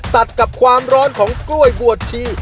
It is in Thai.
ตัดกับความร้อนของกล้วยบวชชี